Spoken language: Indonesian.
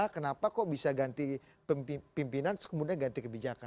kenapa kok bisa ganti pimpinan terus kemudian ganti kebijakan